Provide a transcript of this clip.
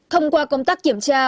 thông qua công tác kiểm tra